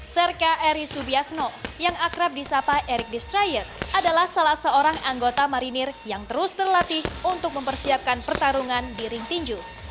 serka eri subiasno yang akrab di sapa erick destrier adalah salah seorang anggota marinir yang terus berlatih untuk mempersiapkan pertarungan di ring tinju